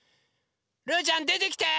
ルーちゃんでてきて！